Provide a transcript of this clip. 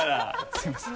すみません。